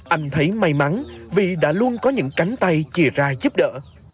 anh thấy may mắn vì đã luôn có những cánh tay chia ra giúp đỡ